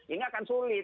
ini akan sulit